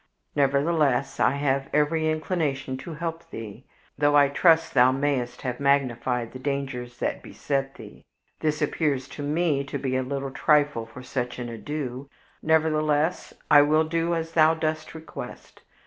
Nevertheless, I have every inclination to help thee, though I trust thou mayest have magnified the dangers that beset thee. This appears to me to be a little trifle for such an ado; nevertheless, I will do as thou dost request.